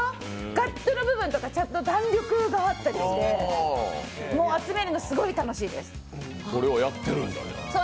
ガットの部分とかちゃんと弾力あったりして集めるのすごい楽しいです。